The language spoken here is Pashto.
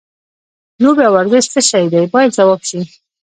لوبې او ورزش څه شی دی باید ځواب شي.